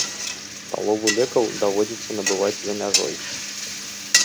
Палову лекаў даводзіцца набываць за мяжой.